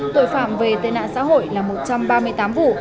tội phạm về tên nạn xã hội là một trăm ba mươi tám vụ